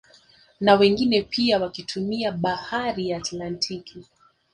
Na wengine pia wakitumia bahari ya Atlantiki